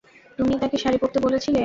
তুমিই তাকে শাড়ি পরতে বলেছিলে!